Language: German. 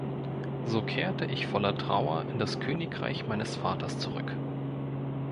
So kehrte ich voller Trauer in das Königreich meines Vaters zurück.